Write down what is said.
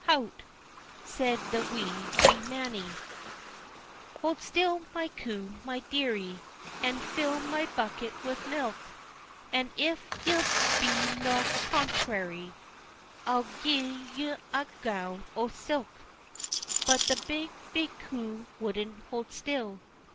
"Hout!" said the wee, wee Mannie: "Hold still, my coo, my dearie, And fill my bucket wi' milk, And if ye'll be no contrairy I'll gi'e ye a gown o' silk." But the big, big coo wouldn't hold still.